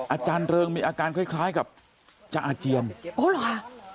อาจารย์เริงมีอาการคล้ายคล้ายกับจะอาเจียนโอ้เหรอค่ะ